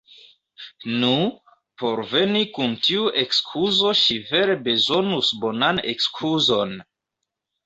Nu, por veni kun tiu ekskuzo ŝi vere bezonus bonan ekskuzon!